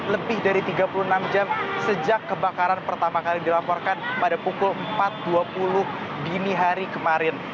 lebih dari tiga puluh enam jam sejak kebakaran pertama kali dilaporkan pada pukul empat dua puluh dini hari kemarin